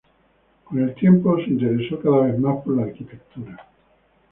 Con el tiempo se interesó cada vez más por la arquitectura.